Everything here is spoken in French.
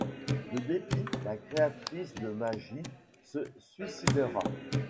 De dépit, la créatrice de Magi se suicidera.